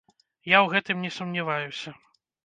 Я ў гэтым не сумняваюся.